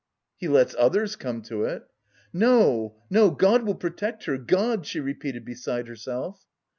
"He lets others come to it." "No, no! God will protect her, God!" she repeated beside herself.